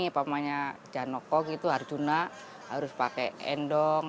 apa namanya janoko gitu harjuna harus pakai endong